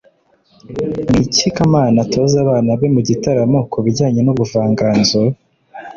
ni iki kamana atoza abana be mu gitaramo ku bijyanye n’ubuvanganzo?